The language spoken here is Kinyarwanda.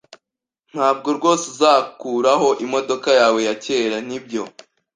Ntabwo rwose uzakuraho imodoka yawe ya kera, nibyo?